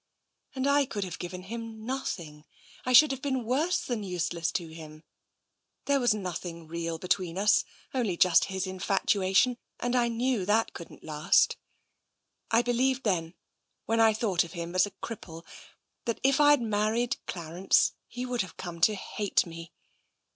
And I could have given him nothing — I should have been worse than useless to him. There was nothing real between us — only just his infatuation — and I knew that couldn't last. I believed then, when I thought of him as a cripple, that if Fd married Clarence, he would have come to hate me.